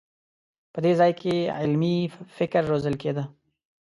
په دې ځای کې علمي فکر روزل کېده.